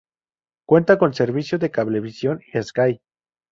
Cuentan con servicio de cablevisión y Sky.